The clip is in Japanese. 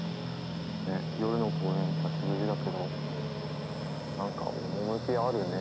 ねっ夜の公園久しぶりだけどうん何か趣あるね